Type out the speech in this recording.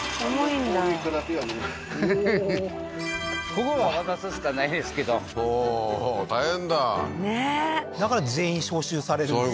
ここは渡すしかないですけどおおー大変だねえだから全員召集されるんですね